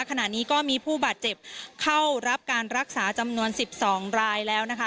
ขณะนี้ก็มีผู้บาดเจ็บเข้ารับการรักษาจำนวน๑๒รายแล้วนะคะ